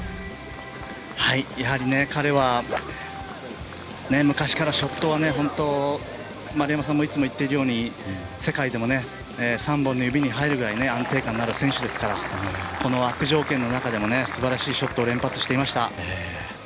彼は昔からショットは本当に、丸山さんもいつも言っているように世界でも３本の指に入るぐらい安定感のある選手ですからこの悪条件の中でも素晴らしいショットを連発していました。